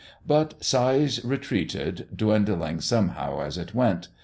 But size retreated, dwindling somehow as it went.